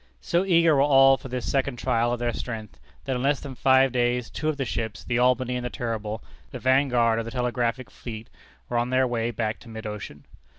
So eager were all for this second trial of their strength, that in less than five days two of the ships the Albany and the Terrible the vanguard of the telegraphic fleet, were on their way back to mid ocean.